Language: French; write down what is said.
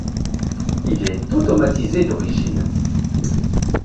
Il est automatisé d'origine.